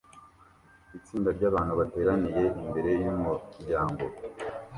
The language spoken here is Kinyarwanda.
Itsinda ryabantu bateraniye imbere yumuryango